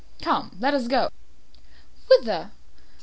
"Come, let us go." "Whither?"